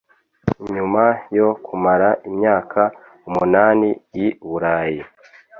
Nyuma yo kumara imyaka umunani i Burayi –